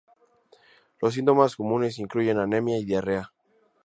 Los síntomas comunes incluyen anemia y diarrea.